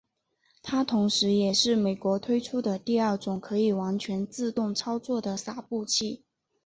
它同时也是美国推出的第二种可以全自动操作的洒布器。